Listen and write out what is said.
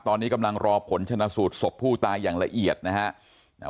ตอนนี้กำลังรอผลชนะสูตรศพผู้ตายอย่างละเอียดนะฮะ